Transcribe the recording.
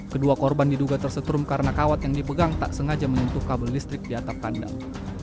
kedua korban diduga tersetrum karena kawat yang dipegang tak sengaja menyentuh kabel listrik di atap kandang